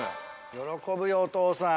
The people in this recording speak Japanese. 喜ぶよお父さん。